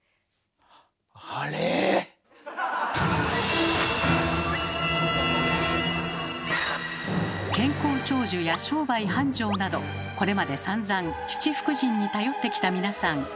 あれー⁉健康長寿や商売繁盛などこれまでさんざん七福神に頼ってきた皆さん。